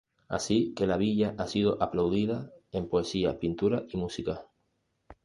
Así que la Villa ha sido aplaudida en poesía, pintura y música.